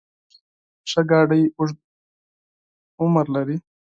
ښه موټر اوږد عمر لري.